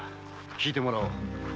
聞いてもらおう。